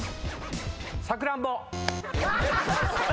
さくらんぼ。